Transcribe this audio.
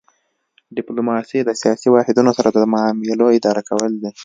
ډیپلوماسي د سیاسي واحدونو سره د معاملو اداره کول دي